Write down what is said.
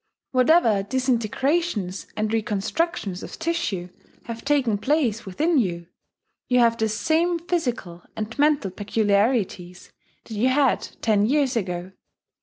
Whatever disintegrations and reconstructions of tissue have taken place within you, you have the same physical and mental peculiarities that you had ten years ago.